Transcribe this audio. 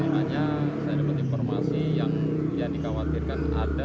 hanya saya dapat informasi yang dikhawatirkan ada